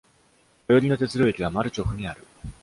最寄りの鉄道駅はマルチョフにある。